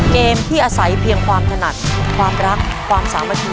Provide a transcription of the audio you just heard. เกมที่อาศัยเพียงความถนัดความรักความสามัคคี